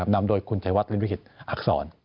นำโดยคุณชัยวัฒน์ฤนลิทธิ์อักษร